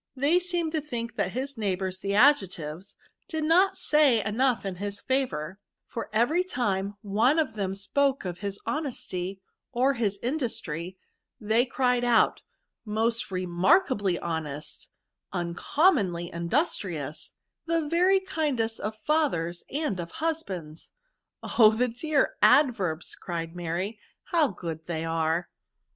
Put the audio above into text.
They seemed to think that his neighbours, the Adjectives, did not say enough in his favour ; for every time one of them spoke of his honesty, or his industry, they cried out, ' most remarkably honest,' —* uncommonly industrious,' —' the very kindest of £ELthers and of husbands.' "• "Oh! the dear Adverbs l" cried Mary; " how good they are